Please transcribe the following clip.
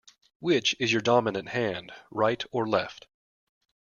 Which is your dominant hand, right or left?